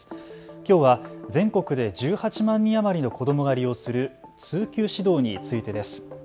きょうは全国で１８万人余りの子どもが利用する通級指導についてです。